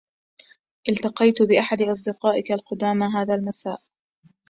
التقيت بأحد أصدقائك القدامى هذا المساء.